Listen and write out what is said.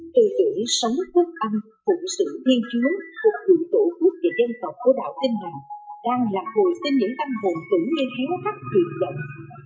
từ tuổi sống thất âm phụ sử thiên chúa một vụ tổ quốc và dân tộc của đạo tinh hành đang lạc hồi sinh những âm hồn tử nguyên héo khắc tuyệt vọng